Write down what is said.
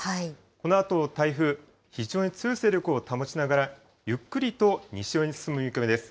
このあと台風、非常に強い勢力を保ちながらゆっくりと西寄りに進む見込みです。